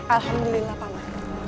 alhamdulillah pak ma